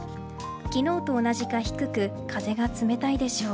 昨日と同じか低く風が冷たいでしょう。